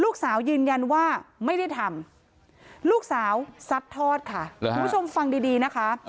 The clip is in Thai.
คุณผู้ชมฟังดีนะคะ